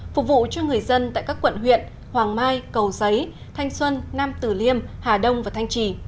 phục vụ cho người dân tại các quận huyện hoàng mai cầu giấy thanh xuân nam tử liêm hà đông và thanh trì